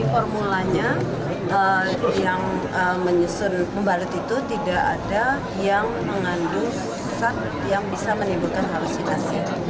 formulanya yang menyusun pembalut itu tidak ada yang mengandung zat yang bisa menimbulkan halusinasi